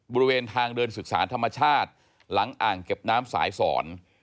บริเวณทางเดินศึกษาธรรมชาติหลังอ่างเก็บน้ำสายสอน